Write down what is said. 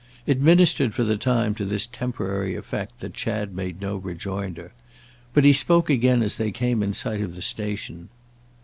It ministered for the time to this temporary effect that Chad made no rejoinder. But he spoke again as they came in sight of the station.